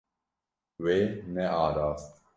Wê nearast.